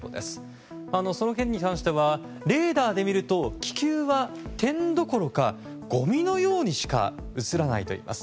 その件に関してはレーダーで見ると気球は点どころかごみのようにしか映らないといいます。